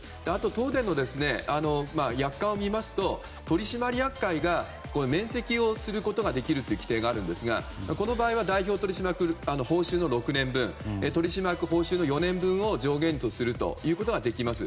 東電の約款を見ますと取締役会が免責をできるという規定があるんですがこの場合は代表取締役報酬の６年分取締役報酬の４年分を上限とするということができます。